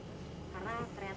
karena ternyata lebih intensif